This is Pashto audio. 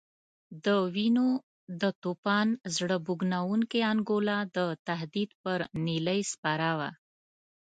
د وینو د توپان زړه رېږدونکې انګولا د تهدید پر نیلۍ سپره وه.